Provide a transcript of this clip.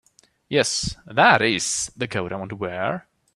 Yes, that IS the coat I want to wear.